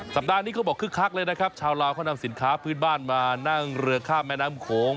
สัปดาห์นี้เขาบอกคึกคักเลยนะครับชาวลาวเขานำสินค้าพื้นบ้านมานั่งเรือข้ามแม่น้ำโขง